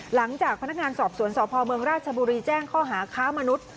หลังจากพนักงานสอบสวนสพเมืองราชบุรีแจ้งข้อหาค้ามนุษย์